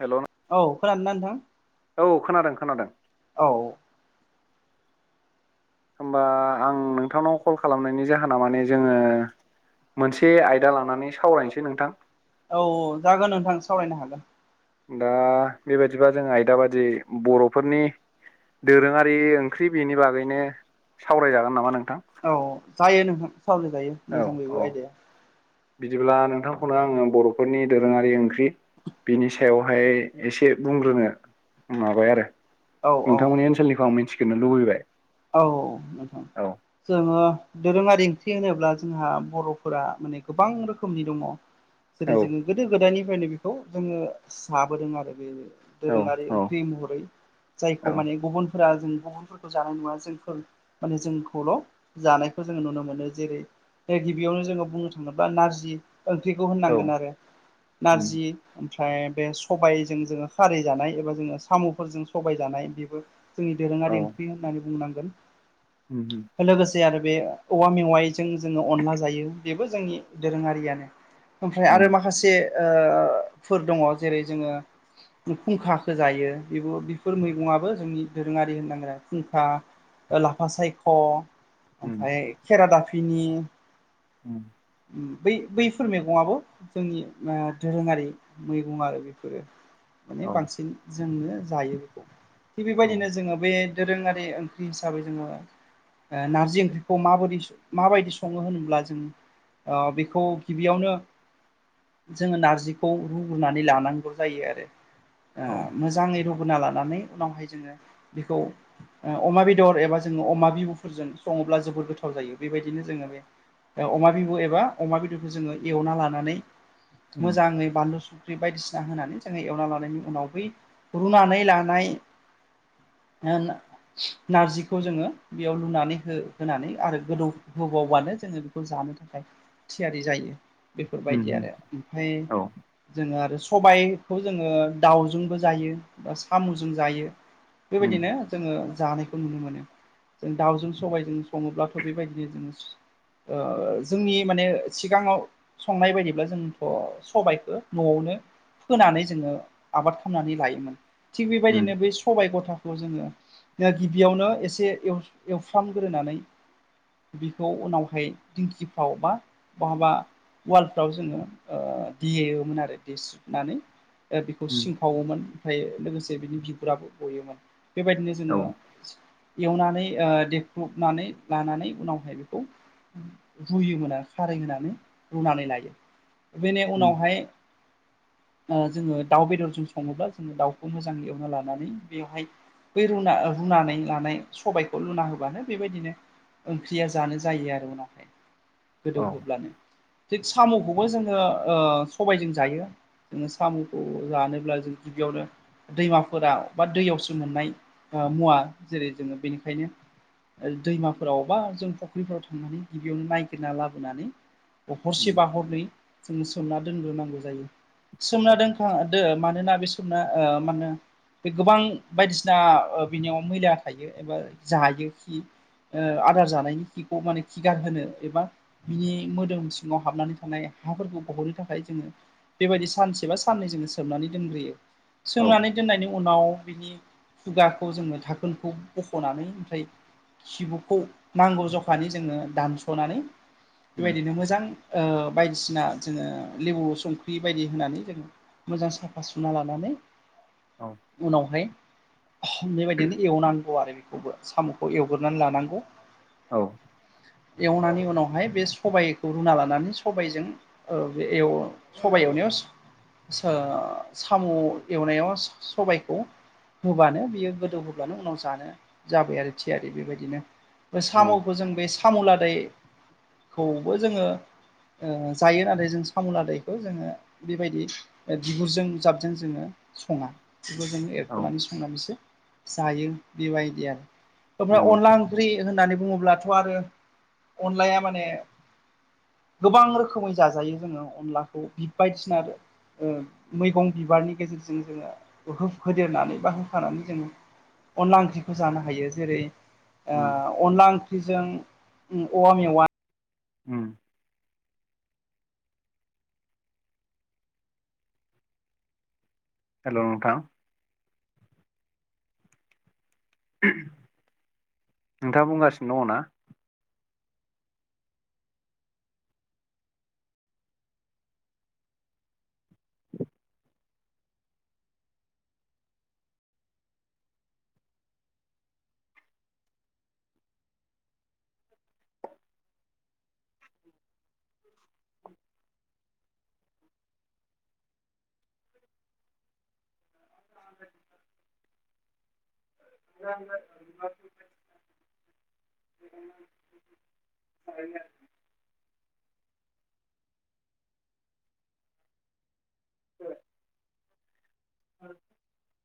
Hello [unintelligible] औ खोनादोंना नोंथांङा? औ खोनादों खोनादों। औ होमबा आं नोंथांनाव कल खालामनायनि जाहोना माने जोङो। मोनसे आयदा लानानै सावरायनोसै नोंथां औ जागोन नोंथां सावरायनो हागोन। दा बेबायादिबा जों आयदा बादि बर'फोरनि दोरोङारि ओंख्रि बेनि बागैनो सावरायजागोन नामा नोंथां? औ जायो नोंथां सावराय जायो। औ औ बिदिब्ला नोंथांखौनो आङो बर'फोरनि दोरोङारि ओंख्रि बिनि सायावहाय एसे बुंग्रोनो माबाय आरो औ औ नोंथांमोननि ओनसोलनिखौ आं मिथिगोरनो लुबैबाय। औ नोंथां औ जोङो दोरोङारि ओंख्रि होनोब्ला जोंहा बर'फोरा माने गोबां रोखोमनि दङ। औ जेरै जोङो गोदो गोदायनिफ्रायनो बेखौ जोङो साबोदों आरो बेयो औ दोरोङारि ओंख्रि महरै औ जायखौ माने गुबुनफोरा जों गुबुनफोरखौ जानाय नुवा। जोंफोर माने जोंखौल' जानायखौ जोंङो नुनो मोनो जेरै ए गिबियावनो जोङो बुंनो थाङोब्ला नारजि ओंख्रिखौ औ होननांगोन आरो उम नारजि ओमफ्राय बे सबायजों जोङो खारै जानाय एबा जोङो साम'फोरजों सबाय जानाय बेबो। जोंनि दोरोङा ओंख्रि होननानै बुंनांगोन। उम उम लोगोसे आरो बे औवा मेवाइजों जोङो अनला जायो बेबो जोंनि दोरोङारियानो। ओमफ्राय उम आरो माखासे ओ फोर दङ जेरै जोङो उम फुंखाखौ जायो बेबो बेफोर मैगंआबो जोंनि दोरोङारि होननांगोन आरो फुंखा। ओ लाफा सायख' उम ओमफाय खेरादाफिनि उम उम बै बैफोर मैगङाबो जोंनि उम दोरोङारि। मैगं आरो बेफोरो माने औ बांसिन जोंनो जायो बेखौ थिग औ बेबायदिनो जोङो बे दोरोङारि ओं बि हिसाबै जोङो ओ नारजि ओंख्रिखौ माबोदि माबायदि सङो होनोब्ला जों ओ बेखौ गिबियावनो जोङो नारजिखौ रुग्रोनानै लानांगौ जायो आरो औ ओ मोजाङै रुग्रोना लानानै उनावहाय जोङो बेखौ अमा बेदर एबा जोङो अमा बिबुफोरजों सङोब्ला जोबोद गोथाव जायो बेबायदिनो जोङो बे अमा बिबु एबा अमा बेदरखौ जोङो एवना लानानै उम, मोजाङै बानलु [unintelligible] संख्रि बायदिसिना होनानै जोङो एवना लानायनि उनाव बै रुनानै लानाय ना ना नारजिखौ जोङो बेयाव लुनानै हो-होनानै आरो गोदौ होबावबानो जोङो खौ जानो थाखाय थियारि जायो बेफोरबायदि उम, आरो ओमफफ्राय औ जोङो आरो सबायखौ जोङो दावजोंबो जायो बा साम'जों जायो। उम, बेबायदिनो जोङो जानायखौ नुनो मोनो। जों दाउजों सबायजों सङोब्लाथ' बेबायदिनो जोङो ओ जोंनि माने सिगाङाव संनाय बायदिब्ला जोंथ' सबायखौ न'आवनो फोनानै जोङो आबाद खालामनानै लायोमोन, थिग उम, बेबायदिनो बै सबाय गथाखौ जोङो या गिबियावनो एसे एवफ एवफ्रामग्रोनानै बिखौ उनावहाय दिंखिफ्राव बा बहाबा वालफ्राव जोङो ओ देयेमोन आरो देसुनानै ओ बेखौ उम, सिंखावोमोन ओमफ्रायो लोगोसे बिनि बिगुराबो गयोमोन बेबायदिनो औ जोङो एवनानै ओ देख्रुबनानै लानानै उनावहाय बेखौ जोयोमोना खारै होनानै रुनानै लायो बिनि उम, उनावहाय ओ जोङो दाउ बेदरजों सङोब्ला जोङो दाउखौ मोजां एवना लानानै बेवहाय बै रुना रुनानै लानाय सबायखौ रुना होबानो बेबायदिनो ओंख्रिया जानो जायो आरो उनावहाय औ गोदौहोब्लानो थिग साम'खौबो ओ जोङो सबायजों जायो। जोङो साम'खौ जानोब्ला जों गिबियावनो दैमाफोराव बा दैयावसो मोननाय ओ मुवा जेरै जोङो बेनिखायनो ओ दैमाफोराव बबा जों फुख्रिफोराव थांनानै गिबियावनो नायगिरना लाबोनानै अखरसे उम, बा हरनै जोङो सोमना दोनग्रोनांगौ जायो औ सोमना दोनखा औ मानोना बे समना ओ मानो होनो बे गोबां बायदिसिना ओ बिनियाव मैला थायो एबा जायो खि ओ आदार जानायनि खिखौ माने खिगार होनो एबा बिनि मोदोम सिङाव हाबनानै थानाय हाफोरखौ बहननो थाखाय जोङो बेबायदि सानसे बा साननै जोङो सोमनानै दोनग्रोयो। औ सोमनानै दोननायनि उनाव बिनि खुगा खौ जोङो धाखोनखौ बख'नानै ओमफ्राय खिबुखौ नांगौ जखानि जोङो दानस'नानै उम, बेबायदिनो मोजां ओ बायदिसिना जोङो लेबु संख्रि बायदि होनानै जोङो मोजां साफा सुना लानानै औ उनावहाय बेबायदिनो एवनांगौ आरो बेखौबो साम'खौ एवग्रोनानै लानांगौ। औ। एवनानै उनावहाय बे सबाइखौ रुना लानानै सबायजों ओ बे एव सबाय एवनायाव स ओ सामु एवनायाव स-सबायखौ होबानो बियो गोदौ होब्लानो उनाव जानो जाबाय आरो थियारि बेबायदिनो बे औ साम'खौ जों बे साम' लादायखौबो जोङो ओ जायो नाथाय जों सामु लादायखौ जोङो बेबायदि बिगुरजों जाबजों जोङो सङा बिखौ जों औ एरख'नानै संनानैसो जायो बेबायदि आरो ओमफ्राय नंगौ अनला ओंख ख्रि होननानै बुङोब्लाथ' आरो अनलाया माने गोबां रोखोमै जाजायो जोङो अनलाखौ बि बायदिसिना आरो ओ मैगं बिबारनि गेजेरजों जोङो हो-होदेरनानै बा होफानानै जों अनला ओंख्रिखौ जानो हायो जेरै उम, ओ अनला ओंख्रिजों उम औवा मेवा उम। हेल' नोंथां। नोंथाङा बुंगासिनो दङ' ना? [inaudible] [inaudible] [inaudible]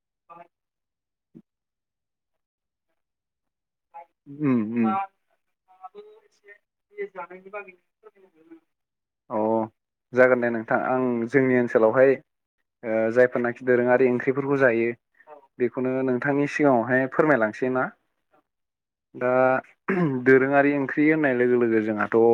[inaudible] उम उम [inaudible] अ जागोन दे नोंथां आं जोंनि ओनसोलावहाय ओ जायफोरनाखि दोरोङारि ओंख्रिफोरखौ जायो। औ बेखौनो नोंथांनि सिगाङावहाय फोरमायलांसै ना? दा दोरोङारि ओंख्रि होननाय लोगो लोगो जोंहाथ' ओ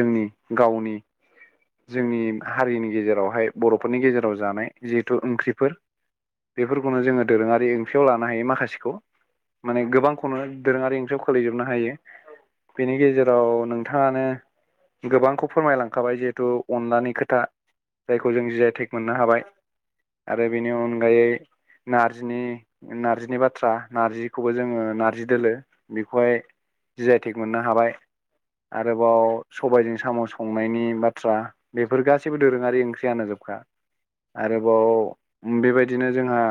जोंनि गावनि जोंनि हारिनि गेजेरावहाय बर'फोरनि गेजेराव जानाय जिहेथु ओंख्रिफोर बेफोरखौनो जोङो दोरोङारि ओंख्रियाव लानो हायो माखासेखौ माने गोबांखौनो दोरोङारि ओंख्रियाव खोलैजोबनो हायो बेनि गेजेराव नोंथाङानो गोबांखौ फोरमायलांखाबाय जिहेथु अनलानि खोथा जायखौ जों जि आइ टेक मोननो हाबाय आरो बेनि अनगायै नारजिनि नारजिनि बाथ्रा नार्जिखौबो जोङो नार्जि दोलो बेखौहाय जि आइ टेक मोननो हाबाय। आरोबाव सबायजों साम' संनायनि बाथ्रा बेफोर गासैबो दोरोङारि ओंख्रियानो जोबखा। आरोबाव बेबायदिनो जोंहा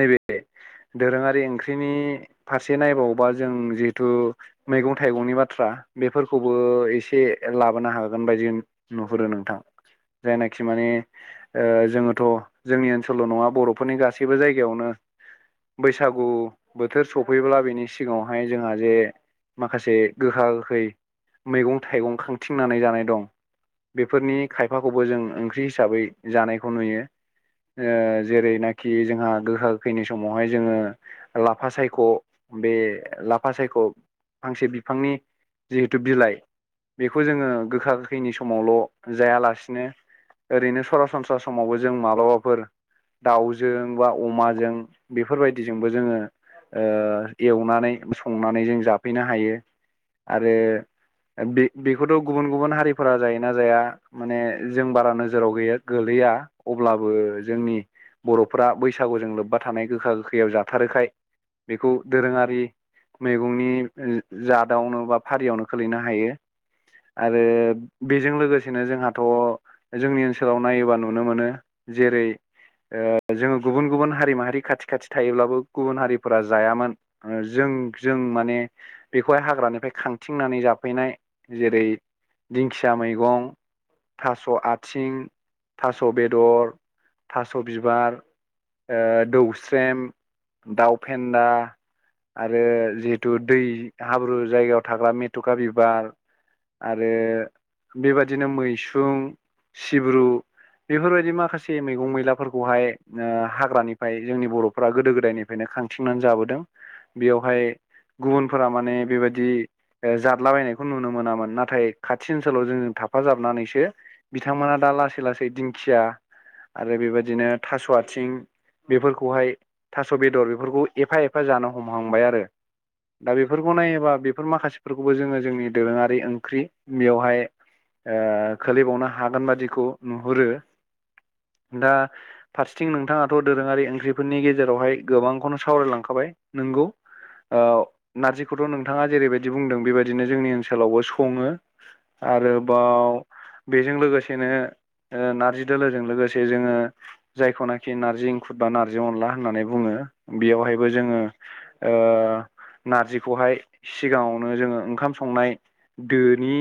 नैबे दोरोङारि ओंख्रिनि फारस से नायबावोबा जों जिहेतु मैगं थाइगंनि बाथ्रा बेफोरखौबो एसे लाबोनो हागोन बायदि नुहुरो नोंथां जायनाखि माने ओ जोङोथ' जोंनि ओनसोलल' नङा बर'फोरनि गासैबो जायगायावनो बैसागु बोथोर स सफैब्ला बेनि सिगाङावहाय जोंहा जे माखासे गोखा गोखै मैगं थाइगं खांथिंनानै जानाय दं बेफोरनि खायफाखौबो जों ओंख्रि हिसाबै जानायखौ नुयो ओ जेरैनाखि जोंहा गोखा गोखैनि समावहाय जोङो लाफा सायख' बे लाफा सायख' फांसे बिफांनि जिहेथु बिलाइ बेखौ जोङो गोखा गोखैनि समावल' जायालासिनो ओरैनो सरासनस्रा समावबो जों माब्लाफोर दाउजों बा अमाजों बेफोरबायदिजोंबो जोङो एवनानै संनानै जों जाफैनो हायो आरो बे बेखौथ' गुबुन गुबुन हारिफोरा जायोना जाया माने जों बारा नोजोराव गैया गोलैया अब्लाबो जोंनि बर'फोरा बैसागुजों लोब्बा थानाय गोखा गोखैयाव जाथारोखाय बेखौ दोरोङारि मैगंनि जादावनो बा फारियावनो खोलैनो हायो आरो बेजों लोगोसेनो जोंहाथ' जोंनि ओनसोलाव नायोबा नुनो मोनो जेरै ओ जोङो गुबुन गुबुन हारि माहारि खाथि खाथि थायोब्लाबो गुबुन हारिफोरा जायामोन ओ जों जों माने बेखौहाय हाग्रानिफ्राय खांथिंनानै जाफैनाय जेरै दिंखिया मैगं थास' आथिं थास' बेदर थास' बिबार ओ दौसेम दाउफेन्दा आरो जिहेतु दै हाब्रु जायगायाव थाग्रा मेथ'खा बिबार आरो बेबादिनो मैसुम सिब्रु बेफोरबायदि माखासे मैगं मैलाफोरखौहाय ओ हाग्रानिफ्राय जोंनि बर'फ गोदो गोदायनिफ्राय फ्रायायनो खांथिंनानै जाबोदों बेयावहाय गुबुनफोरा माने बेबायदि जादलाबायनायखौ नुनो मोनामोन नाथाय खाथि ओनसोलाव जों जों थाफाजाबनानैसो बिथांमोना दा लासै लासै दिंखिया आरो बेबायदिनो थास' आथिं बेफोरखौहाय थास' बेदर बेफोरखौ एफा एफा एफा जानो हमहांबाय आरो दा बेफोरखौ नायोबा बेफोर माखासेफोरखौबो जोङो जोंनि दोरोङारि ओंख्रि बेयावहाय ओ खोलैबावनो हागोन बादिखौ नुहुरो। दा फारसेथिं नोंथाङाथ' दोरोङारि ओंख्रिफोरनि गेजेरावहाय गोबांखौनो सावरायलां खाबाय नोंगौ। ओ नारजिखौथ' नोंथाङा जेरैबायदि बुंदों बेबायदिनो जोंनि ओनसोलावबो सङो आरोबाव बेजों लोगोसेनो ओ नारजि दोलोजों लोगोसे जोङो जायखौनोखि नारजि इंखुर बा नारजि अनला होननानै बुङो बेयावहायबो जोङो ओ नारजिखौहाय सिगाङावनो जोङो ओंखाम संनाय दोनि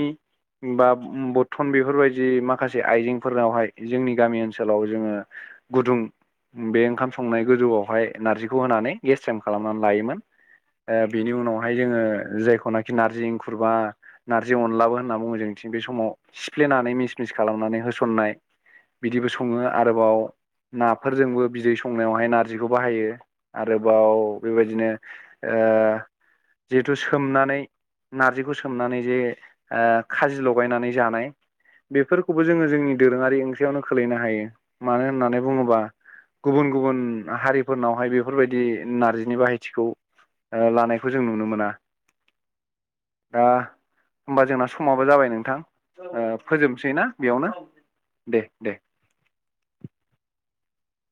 बा बथ्थन बेफोरबायदि माखासे आइजेंफोरनावहाय जोंनि गामि ओनसोलाव जोङो गुदुं बे ओंखाम संनाय गोजौआवहाय नारजिखौ होनानै गेस्सेम खालामनानै लायोमोन ओ बेनि उनावहाय जोङो जेखौनोखि नारजि इंखुरबा नारजि अनलाबो होननाबो बुङो जोंथिं बे समाव सिफ्लेनानै मिस मिस खालामनानै होसननाय बिदिबो सङो आरोबाव नाफोरजोंबो बिदै संनायावहाय नारजिखौ बाहायो आरोबाव बेबायदिनो ओ जिहेथु सोमनानै नार्जिखौ सोमनानै जे खाजि लगायनानै जानाय बेफोरखौबो जोङो जोंनि दोरोङारि ओंख्रियावनो खोलैनो हायो मानो होननानै बुङोबा गुबुन गुबुन हारिफोरनावहाय बे बेफोरबायदि नारजिनि बाहायथिखौ लानायखौ जों नुनो मोना। दा। होमबा जोंना समाबो जाबाय नोंथां ओ फोजोबनोसै ना बेयावनो दे दे।